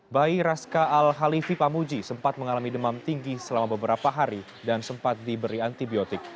bayi raska al halifi pamuji sempat mengalami demam tinggi selama beberapa hari dan sempat diberi antibiotik